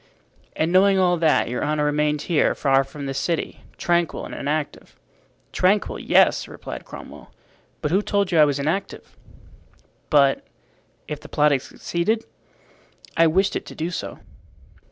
"And knowing all that, your honor remained here, far from the city, tranquil and inactive." "Tranquil, yes," replied Cromwell. "But who told you I was inactive?" "But—if the plot had succeeded?" "I wished it to do so."